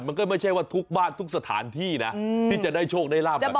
มันก็ไม่ใช่ว่าทุกบ้านทุกสถานที่นะที่จะได้โชคได้ลาบแบบนี้